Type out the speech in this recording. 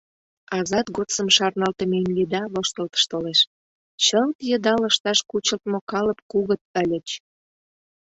Азат годсым шарналтымем еда воштылтыш толеш: чылт йыдал ышташ кучылтмо калып кугыт ыльыч.